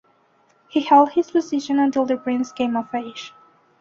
He held his position until the Prince came of age.